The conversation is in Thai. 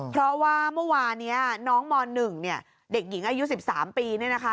เพราะว่าเมื่อวานนี้น้องม๑เนี่ยเด็กหญิงอายุ๑๓ปีเนี่ยนะคะ